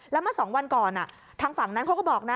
แล้วเมื่อ๒วันก่อนทางฝั่งนั้นเขาก็บอกนะ